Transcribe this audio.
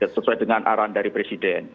sesuai dengan arahan dari presiden